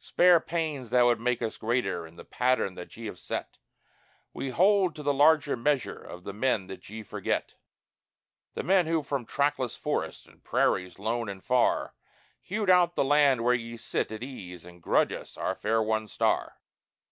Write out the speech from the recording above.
Spare pains that would make us greater in the pattern that ye have set; We hold to the larger measure of the men that ye forget The men who, from trackless forests and prairies lone and far, Hewed out the land where ye sit at ease and grudge us our fair won star.